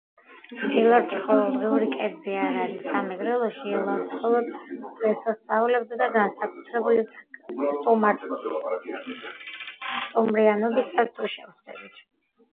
ელარჯი ყოველდღიური კერძი არ არის. სამეგრელოში ელარჯს მხოლოდ დღესასწაულებზე და განსაკუთრებული სტუმრიანობისას თუ შეხვდებით.